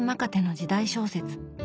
時代小説。